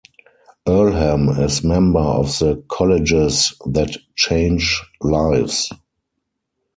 Earlham is member of the Colleges That Change Lives.